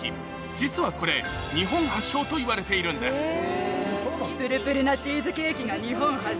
実はこれ日本発祥といわれているんですなのは。